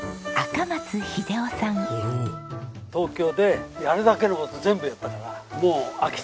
東京でやるだけの事全部やったからもう飽きた。